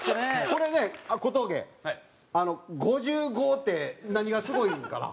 それねえ小峠５５って何がすごいんかな？